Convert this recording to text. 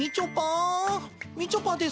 みちょぱです